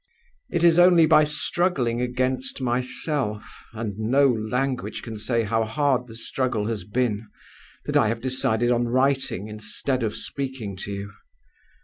"'It is only by struggling against myself (and no language can say how hard the struggle has been) that I have decided on writing, instead of speaking to you.